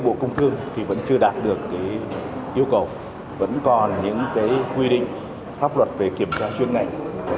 bộ công thương thì vẫn chưa đạt được cái yêu cầu vẫn còn những cái quy định pháp luật về kiểm tra chuyên ngành